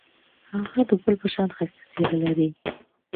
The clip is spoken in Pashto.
هغه د ګل په شان ښایسته څېره لري.